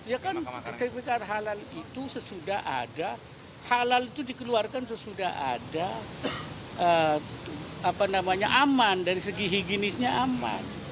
ya kan sertifikat halal itu sesudah ada halal itu dikeluarkan sesudah ada aman dari segi higienisnya aman